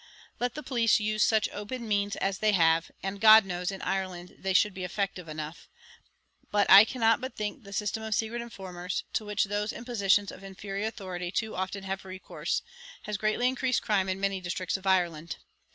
Let the police use such open means as they have and, God knows, in Ireland they should be effective enough; but I cannot but think the system of secret informers to which those in positions of inferior authority too often have recourse has greatly increased crime in many districts of Ireland.